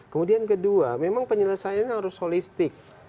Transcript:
kemudian kedua memang penyelesaiannya harus holistik